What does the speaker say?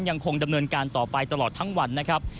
ยังคงดำเนินการต่อไปตลอดทั้งวันนะครับ